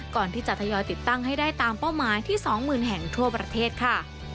ทยอยติดตั้งให้ได้ตามเป้าหมายที่๒๐๐๐แห่งทั่วประเทศค่ะ